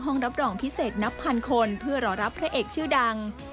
รับรองพิเศษนับพันคนเพื่อรอรับพระเอกชื่อดัง